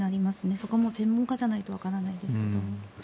そこは専門家じゃないとわからないですが。